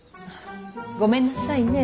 ごめんなさいね。